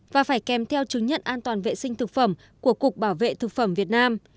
và phải kèm theo chứng nhận an toàn vệ sinh thực phẩm của cục bảo vệ thực phẩm việt nam